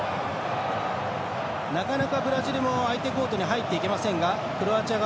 なかなかブラジルも相手コートに入っていけません。